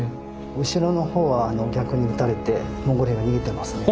後ろの方は逆に撃たれてモンゴル兵が逃げてますね。